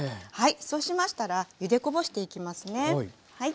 はいそうしましたらゆでこぼしていきますね。